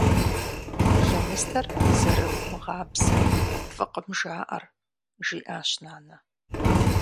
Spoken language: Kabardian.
- Лэныстэр зэрыумыгъабзэ — фӏыкъым жаӏэр, - жиӏащ нанэ.